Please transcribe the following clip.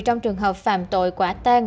trong trường hợp phạm tội quả tan